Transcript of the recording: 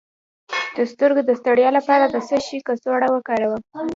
د سترګو د ستړیا لپاره د څه شي کڅوړه وکاروم؟